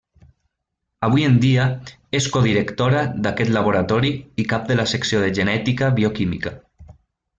Avui en dia és codirectora d'aquest laboratori i cap de la Secció de Genètica Bioquímica.